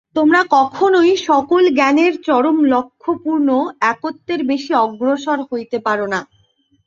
তোমরা কখনই সকল জ্ঞানের চরম লক্ষ্য পূর্ণ একত্বের বেশী অগ্রসর হইতে পার না।